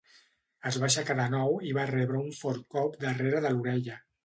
Es va aixecar de nou i va rebre un fort cop darrere de l'orella.